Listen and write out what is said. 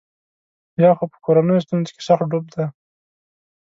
یا خو په کورنیو ستونزو کې سخت ډوب دی.